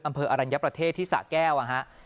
อัมเภออรรณยาประเทศที่สะแก้ว